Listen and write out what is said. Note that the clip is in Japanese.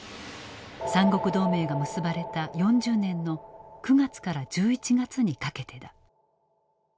三国同盟が結ばれた４０年の９月から１１月にかけてだ。